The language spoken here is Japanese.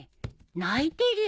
泣いてるよ。